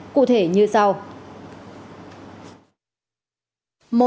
cụ thể như sau